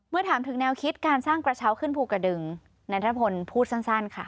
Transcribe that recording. ถามถึงแนวคิดการสร้างกระเช้าขึ้นภูกระดึงนันทพลพูดสั้นค่ะ